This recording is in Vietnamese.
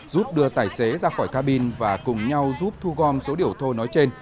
giúp đưa tài xế ra khỏi cabin và cùng nhau giúp thu gom số điều thô nói trên